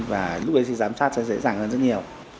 và lúc ấy thì giám sát sẽ dễ dàng hơn rất nhiều